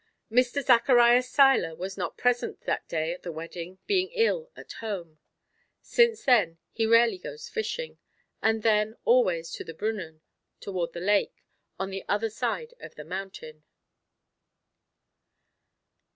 Mr. Zacharias Seiler was not present that day at the wedding, being ill at home. Since then he rarely goes fishing and then, always to the Brünnen toward the lake on the other side of the mountain.